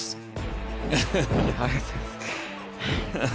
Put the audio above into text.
ハハハ。